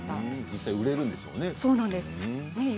実際に売れるんでしょうね。